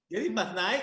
jadi mas naik